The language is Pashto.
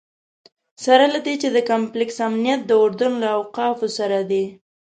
سره له دې چې د کمپلکس امنیت د اردن له اوقافو سره دی.